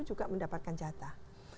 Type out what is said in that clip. juga mendapatkan jatah